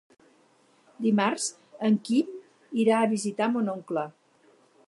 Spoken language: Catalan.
Dimarts en Quim irà a visitar mon oncle.